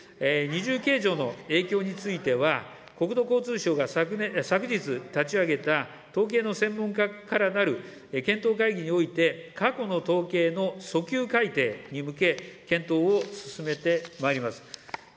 二重計上の影響については、国土交通省が昨日立ち上げた統計の専門家からなる検討会議において、過去の統計のそきゅう改定に向け、検討を進めてまいります。